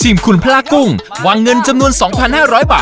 ชิมขุนพลากุ้งหวังเงินจำนวน๒๕๐๐บาท